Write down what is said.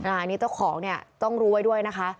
อันนี้เจ้าของเนี่ยต้องรู้ไว้ด้วยนะคะ